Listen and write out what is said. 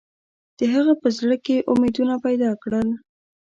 د هغه په زړه کې یې امیدونه پیدا کړل.